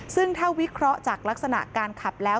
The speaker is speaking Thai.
ซึ่งถ้าวิเคราะห์จากลักษณะการขับแล้ว